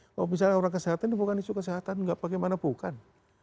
kalau misalnya orang kesehatan ini bukan isu kesehatan nggak bagaimana bukan